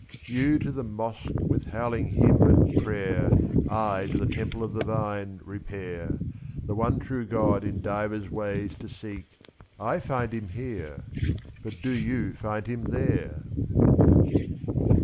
You to the mosque, with howling hymn and prayer^ I to the temple of the vine, repair, 2/2 The one true God in divers ways to seek; I find him here — but do you find him there?